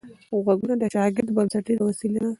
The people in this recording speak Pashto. غوږونه د شاګرد بنسټیزه وسیله ده